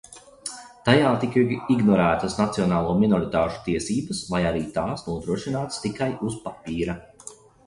Tajā tika ignorētas nacionālo minoritāšu tiesības vai arī tās nodrošinātas tikai uz papīra.